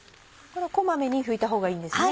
こまめに拭いたほうがいいんですね？